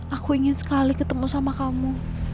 aku ingin sekali ketemu sama kamu